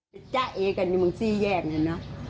พี่จ้าเอกันนี่มึงสี่แยกนี่เนอะ